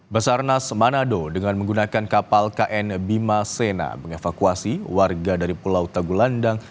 basarnas manado dengan menggunakan kapal kn bima sena mengevakuasi warga dari pulau tegulandang